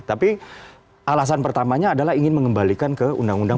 tapi alasan pertamanya adalah ingin mengembalikan ke undang undang